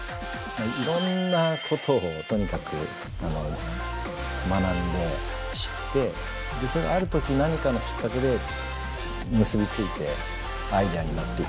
いろんなことをとにかく学んで知ってそれがある時何かのきっかけで結び付いてアイデアになっていくっていう。